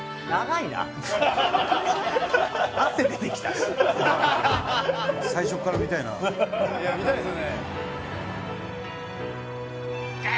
「いや見たいですよね」